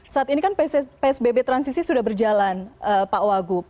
saat ini kan pspb transisi sudah berjalan pak wagu